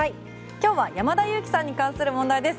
今日は山田裕貴さんに関する問題です。